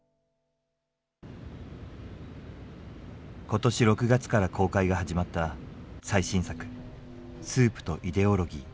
今年６月から公開が始まった最新作「スープとイデオロギー」。